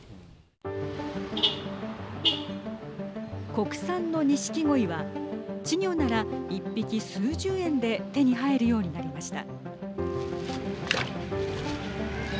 国産の錦鯉は稚魚なら１匹数十円で手に入るようになりました。